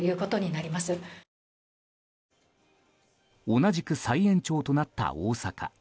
同じく再延長となった大阪。